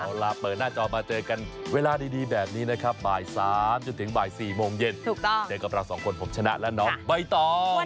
เอาล่ะเปิดหน้าจอมาเจอกันเวลาดีแบบนี้นะครับบ่าย๓จนถึงบ่าย๔โมงเย็นเจอกับเราสองคนผมชนะและน้องใบตอง